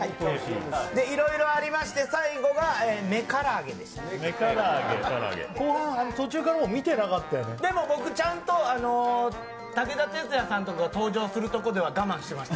いろいろありまして、最後が後半、途中から見てなかったでも僕、ちゃんと武田鉄矢さんとか登場するとこでは我慢してました。